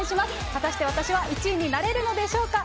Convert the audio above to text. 果たして私は１位になれるのでしょうか。